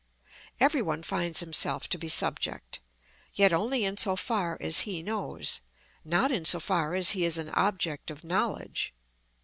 Every one finds himself to be subject, yet only in so far as he knows, not in so far as he is an object of knowledge.